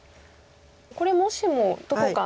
これもしもどこか。